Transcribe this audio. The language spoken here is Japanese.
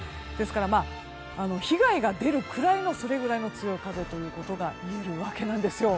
ですから被害が出るくらいの強い風ということがいえるわけです。